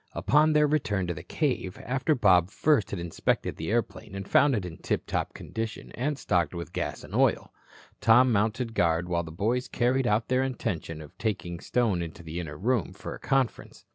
Upon their return to the cave, after Bob first had inspected the airplane and found it in tiptop condition and stocked with gas and oil, Tom mounted guard while the boys carried out their intention of taking Stone into the inner room for a conference.